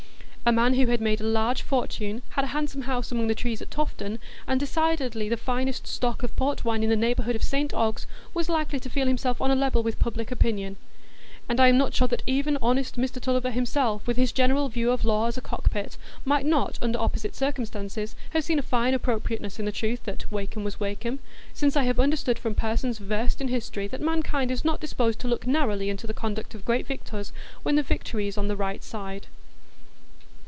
A man who had made a large fortune, had a handsome house among the trees at Tofton, and decidedly the finest stock of port wine in the neighbourhood of St Ogg's, was likely to feel himself on a level with public opinion. And I am not sure that even honest Mr Tulliver himself, with his general view of law as a cockpit, might not, under opposite circumstances, have seen a fine appropriateness in the truth that "Wakem was Wakem"; since I have understood from persons versed in history, that mankind is not disposed to look narrowly into the conduct of great victors when their victory is on the right side.